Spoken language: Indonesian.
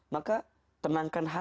maka tenangkan hatimu ya pak ustadz